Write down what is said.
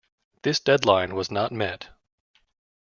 This deadline was not met.